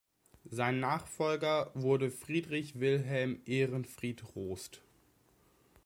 Sein Nachfolger wurde Friedrich Wilhelm Ehrenfried Rost.